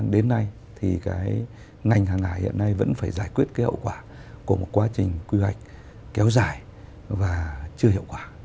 đến nay thì cái ngành hàng hải hiện nay vẫn phải giải quyết cái hậu quả của một quá trình quy hoạch kéo dài và chưa hiệu quả